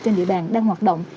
trên địa bàn đang hoạt động